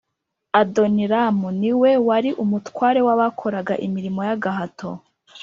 Adoniramu ni we wari umutware w abakoraga imirimo y agahato